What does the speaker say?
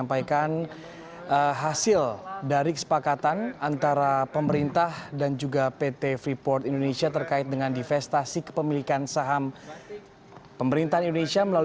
menjadi lima puluh satu persen dan kita simak bersama konferensi pers yang akan dilakukan oleh menteri keuangan sri mulyani